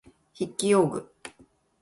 筆記用具